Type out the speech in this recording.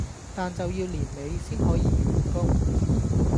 但就要年尾先可以完工